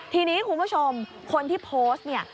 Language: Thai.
ทีนี้คุณผู้ชมคนที่โพสต์เนี่ย